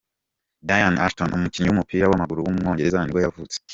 Dean Ashton, umukinnyi w’umupira w’amaguru w’umwongereza nibwo yavutse.